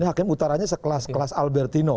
ini hakim utaranya sekelas kelas albertino